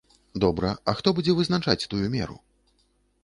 Добра, а хто будзе вызначаць тую меру?